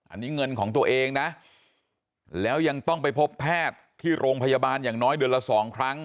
อันนี้เงินของตัวเองนะแล้วยังต้องไปพบแพทย์ที่โรงพยาบาลอย่างน้อยเดือนละสองครั้ง